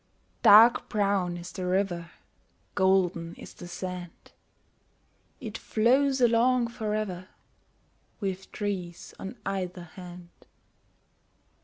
Dark brown is the river, Golden is the sand. It flows along for ever, With trees on either hand.